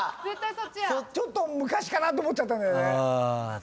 ちょっと昔かなと思っちゃったんだよね。